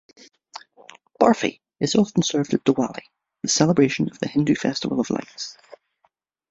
Barfi is often served at Diwali, the celebration of the Hindu festival of lights.